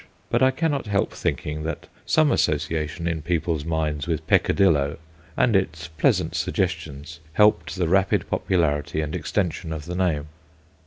But I cannot help thinking that some association in people's minds with peccadillo and its pleasant suggestions helped the rapid popu larity and extension of the name.